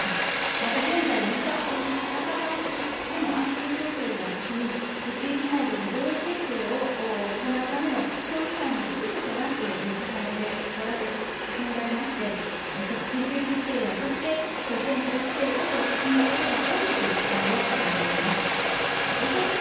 また現在、遊佐沖、酒田沖でも案件形成が進み、地域内での合意形成を行うための協議会も幾度となく、重ねてこられ、重ねてこられまして、促進区域指定や、そして拠点港指定へと進むことが大きく期待をされております。